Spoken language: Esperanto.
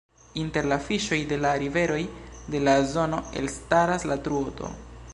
Inter la fiŝoj de la riveroj de la zono elstaras la Truto.